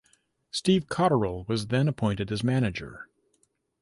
Steve Cotterill was then appointed as manager.